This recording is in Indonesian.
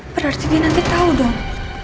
berarti dia nanti tau dong